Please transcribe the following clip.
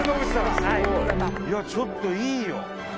いやちょっといいよ。